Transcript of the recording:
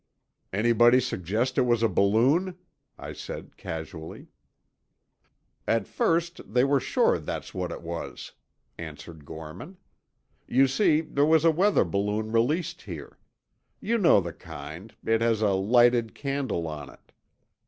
"Anybody suggest it was a balloon?" I said casually. "At first, they were sure that's what it was," answered Gorman. "You see, there was a weather balloon released here. You know the kind, it has a lighted candle on it.